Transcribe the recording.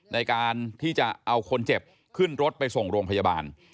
ในการที่จะเอาคนเจ็บขึ้นรถไปส่งโรงพยาบาล